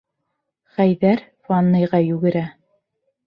Хәйҙәр ванныйға йүгерә.